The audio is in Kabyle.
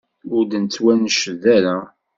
Ur d-nettwanced ara.